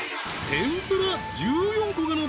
［天ぷら］